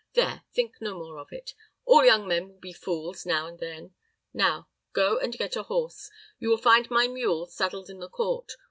"There; think no more of it. All young men will be fools now and then. Now go and get a horse. You will find my mule saddled in the court.